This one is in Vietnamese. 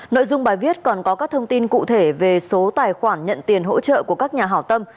nội dung bài viết còn có các thông tin cụ thể về số tài khoản nhận tiền hỗ trợ của các nhà hảo tâm